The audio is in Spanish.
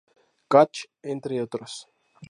Catch, entre otros.